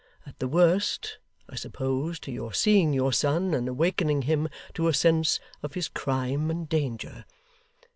At the worst, I suppose to your seeing your son, and awakening him to a sense of his crime and danger.